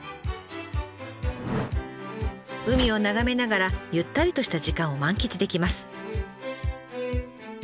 海を眺めながらゆったりとした時間を満喫できます。